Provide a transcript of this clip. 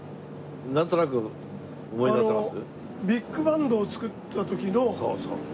なんとなく思い出せます？